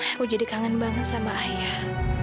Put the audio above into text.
aku jadi kangen banget sama ayah